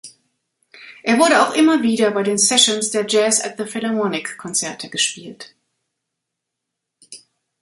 Er wurde auch immer wieder bei den Sessions der Jazz At The Philharmonic-Konzerte gespielt.